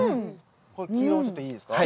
この黄色もちょっといいですか？